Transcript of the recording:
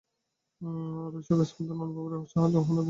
আর ঐ-সব স্পন্দন-অনুভবের সঙ্গে উহারা আমাদের বশে আসে।